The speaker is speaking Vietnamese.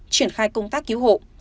triển khai công tác cứu hộ